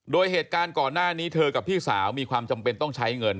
โดยเหตุการณ์ก่อนหน้านี้เธอกับพี่สาวมีความจำเป็นต้องใช้เงิน